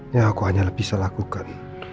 ya aku hanya bisa lakukan